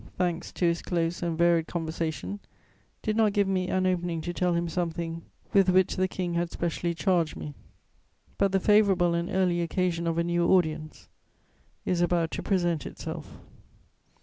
thanks to his close and varied conversation, did not give me an opening to tell him something with which the King had specially charged me; but the favourable and early occasion of a new audience is about to present itself."